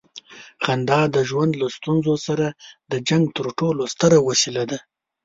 خندا د ژوند له ستونزو سره د جنګ تر ټولو ستره وسیله ده.